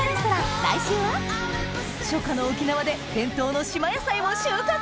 初夏の沖縄で伝統の島野菜を収穫！